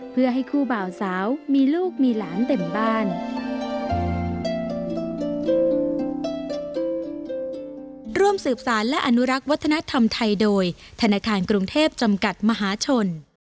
เพื่อให้คู่บ่าวสาวมีลูกมีหลานเต็มบ้าน